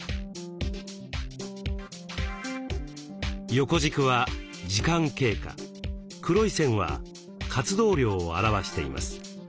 横軸は時間経過黒い線は活動量を表しています。